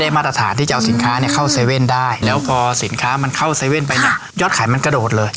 มาตรฐานที่จะเอาสินค้าเนี่ยเข้าเว่นได้แล้วพอสินค้ามันเข้า๗๑๑ไปเนี่ยยอดขายมันกระโดดเลย